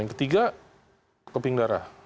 yang ketiga keping darah